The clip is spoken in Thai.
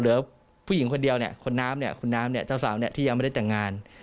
เผื่อผู้หญิงคนเดียวเนี่ยคนน้ำเนี่ยเจ้าสาวเนี่ยที่ยังไม่ได้แต่งงาน